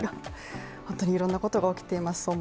本当にいろんなことが起きています。